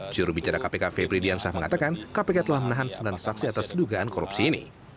jurubicara kpk febri diansah mengatakan kpk telah menahan sembilan saksi atas dugaan korupsi ini